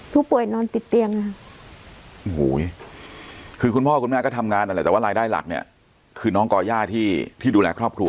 ผู้ป่วยนอนติดเตียงคุณพ่อคุณแม่ก็ทำงานแต่ว่ารายได้หลักเนี่ยคือน้องก่อย่าที่ดูแลครอบครัว